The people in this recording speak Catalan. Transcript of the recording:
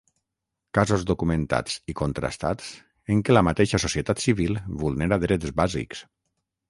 Casos documentats i contrastats en què la mateixa societat civil vulnera drets bàsics.